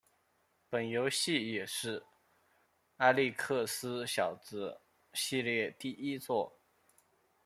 本游戏也是阿历克斯小子系列第一作。